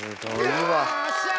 よっしゃ！